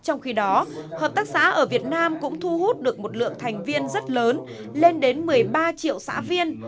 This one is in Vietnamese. trong khi đó hợp tác xã ở việt nam cũng thu hút được một lượng thành viên rất lớn lên đến một mươi ba triệu xã viên